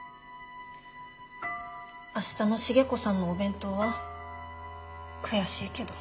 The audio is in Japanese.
明日の重子さんのお弁当は悔しいけど。